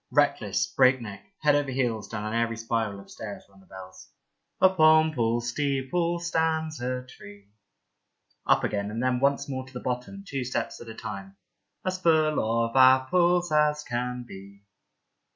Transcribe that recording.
Reckless, breakneck, head over heels down an airy spiral of stairs run the bells. " Upon Paul's steeple stands a tree." Up again and then once more to the bottom, two steps at a time. " As full of apples as can be."